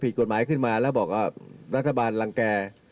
เมื่อผิดหัวหมายขึ้นมาแล้วบอกว่ารัฐบาลรังแก่